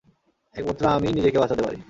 একমাত্র আমিই নিজেকে বাঁচাতে পারি।